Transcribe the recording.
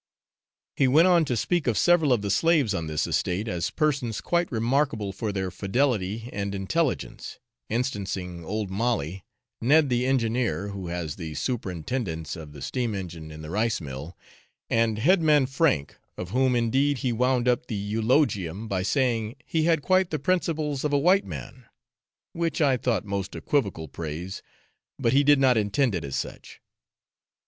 He went on to speak of several of the slaves on this estate, as persons quite remarkable for their fidelity and intelligence, instancing old Molly, Ned the engineer, who has the superintendence of the steam engine in the rice mill, and head man Frank, of whom indeed, he wound up the eulogium by saying, he had quite the principles of a white man which I thought most equivocal praise, but he did not intend it as such.